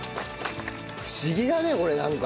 不思議だねこれなんか。